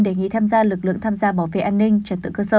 đề nghị tham gia lực lượng tham gia bảo vệ an ninh trật tự cơ sở